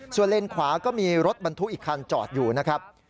ส่วนเลนขวาก็มีรถบรรทุกอีกคันจอดอยู่นะครับ